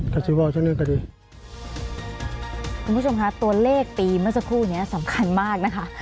คุณผู้ชมคะตัวเลขปีเมื่อสักครู่เนี้ยสำคัญมากนะคะ